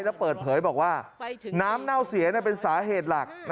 แล้วเปิดเผยบอกว่าน้ำเน่าเสียเป็นสาเหตุหลัก